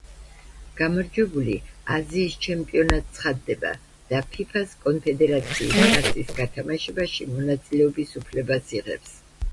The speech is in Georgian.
გამარჯვებული აზიის ჩემპიონად ცხადდება და ფიფას კონფედერაციის თასის გათამაშებაში მონაწილეობის უფლებას იღებს.